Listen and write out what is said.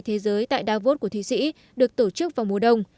thế giới tại davos của thụy sĩ được tổ chức vào mùa đông